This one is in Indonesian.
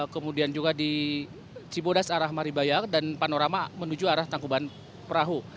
kemudian juga di cibodas arah maribaya dan panorama menuju arah tangkuban perahu